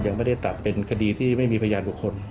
ยังไม่ได้ตัดเป็นคดีที่ไม่มีพยานบุคคล